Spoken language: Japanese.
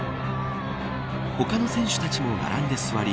他の選手たちも並んで座り